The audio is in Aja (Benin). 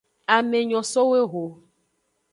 Ame nyo sowu eho.